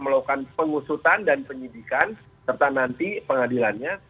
melakukan pengusutan dan penyidikan serta nanti pengadilannya